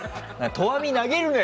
投網投げるなよ！